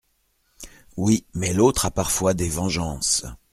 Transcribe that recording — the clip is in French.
Oui, mais l’autre a parfois des vengeances…